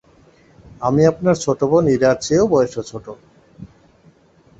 আমি আপনার ছোটবোন ইরার চেয়েও বয়সে ছোট।